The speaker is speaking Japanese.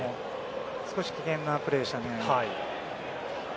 少し危険なプレーでしたね。